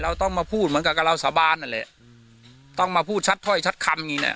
เราต้องมาพูดเหมือนกับเราสาบานนั่นแหละต้องมาพูดชัดถ้อยชัดคำนี้น่ะ